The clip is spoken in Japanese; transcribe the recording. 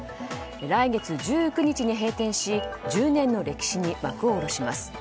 来月１９日に閉店し１０年の歴史に幕を下ろします。